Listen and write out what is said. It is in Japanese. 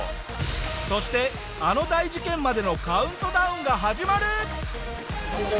そしてあの大事件までのカウントダウンが始まる！